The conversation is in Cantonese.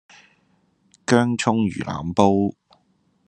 薑蔥魚腩煲